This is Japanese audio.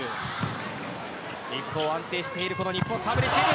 一方、日本安定しているサーブレシーブ。